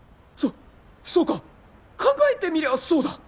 そそうか考えてみりゃそうだ